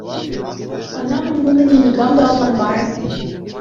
Ӑна мӗн пулнине никам та ӑнланмарӗ.